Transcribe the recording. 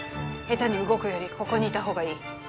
下手に動くよりここにいた方がいい。